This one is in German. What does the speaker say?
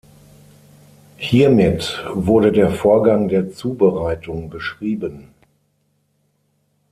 Hiermit wurde der Vorgang der Zubereitung beschrieben.